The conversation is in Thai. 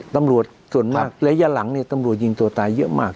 ตำรวจส่วนมากระยะหลังเนี่ยตำรวจยิงตัวตายเยอะมาก